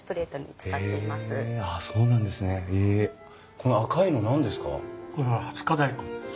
この赤いの何ですか？